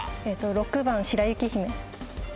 ６番白雪姫。